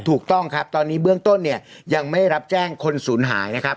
ถูกต้องครับตอนนี้เบื้องต้นเนี่ยยังไม่ได้รับแจ้งคนศูนย์หายนะครับ